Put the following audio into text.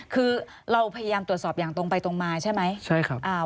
คือเราพยายามตรวจสอบอย่างตรงไปตรงมาใช่ไหมใช่ครับ